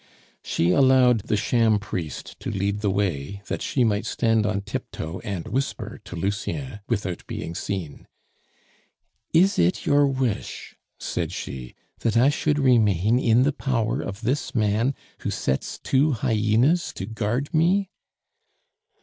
She allowed the sham priest to lead the way, that she might stand on tiptoe and whisper to Lucien without being seen. "Is it your wish," said she, "that I should remain in the power of this man who sets two hyenas to guard me?"